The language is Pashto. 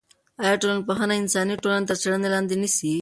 آیا ټولنپوهنه انساني ټولنې تر څېړنې لاندې نیسي؟